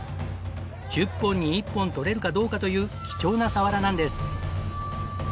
１０本に１本とれるかどうかという貴重なサワラなんです。